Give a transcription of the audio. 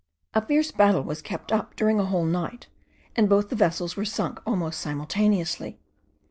A fierce battle was kept up during a whole night, and both the vessels were sunk almost simultaneously.